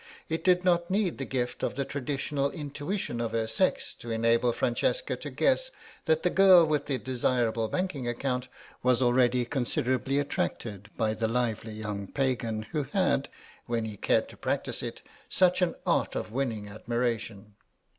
It did not need the gift of the traditional intuition of her sex to enable Francesca to guess that the girl with the desirable banking account was already considerably attracted by the lively young Pagan who had, when he cared to practise it, such an art of winning admiration.